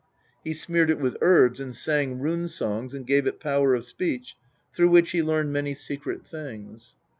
He smeared it with herbs, and sang rune songs and gave it power of speech, through which he learned many secret things.